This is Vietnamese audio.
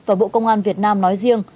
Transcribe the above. và bộ công an việt nam nói riêng